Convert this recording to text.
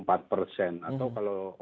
atau kalau australia